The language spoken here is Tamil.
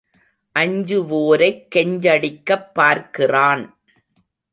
அஞ்சுவோரைக் கெஞ்சடிக்கப் பார்க்கிறான்.